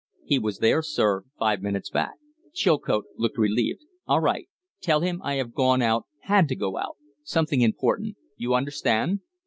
"He was there, sir, five minutes back." Chilcote looked relieved. "All right! Tell him I have gone out had to go out. Something important. You understand?"